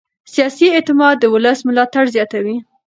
سیاسي اعتماد د ولس ملاتړ زیاتوي